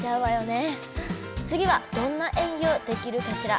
つぎはどんな演技をできるかしら。